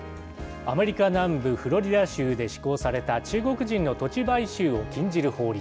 アメリカ南部フロリダ州で施行された、中国人の土地買収を禁じる法律。